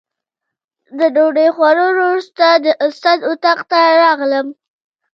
د ډوډۍ خوړلو وروسته د استاد اتاق ته راغلم.